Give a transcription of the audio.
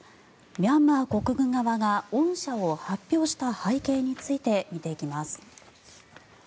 ミャンマー国軍側が恩赦を発表した背景について見ていきます。